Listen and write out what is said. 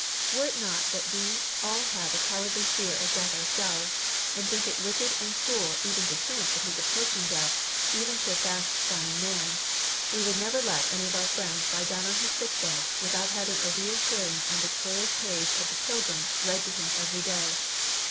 Were it not that we all have a cowardly fear at death ourselves, and think it wicked and cruel even to hint at his approaching death even to a fast dying man, we would never let any of our friends lie down on his sick bed without having a reassuring and victorious page of the Pilgrim read to him every day.